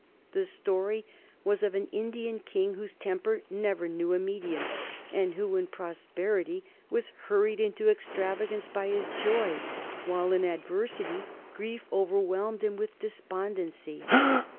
The story was of an Indian king whose temper never knew a medium, and who in prosperity was hurried into extravagance by his joy, while in adversity grief overwhelmed him with despondency.